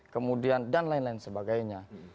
kemudian dan lain lain sebagainya